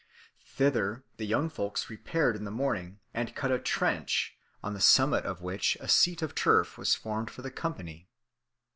Thither the young folks repaired in the morning, and cut a trench, on the summit of which a seat of turf was formed for the company.